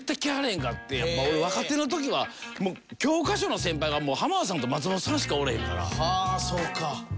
やっぱ俺若手の時は教科書の先輩が浜田さんと松本さんしかおれへんから。